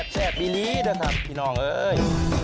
แชดมีลี้ด้วยครับพี่นองเอ๊ย